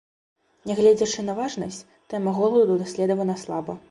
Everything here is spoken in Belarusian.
Нягледзячы на важнасць, тэма голаду даследавана слаба.